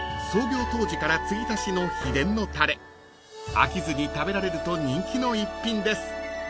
［飽きずに食べられると人気の逸品です］